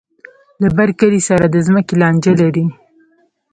له بر کلي سره د ځمکې لانجه لري.